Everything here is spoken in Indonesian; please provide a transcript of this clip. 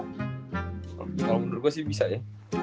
kalau menurut gue sih bisa ya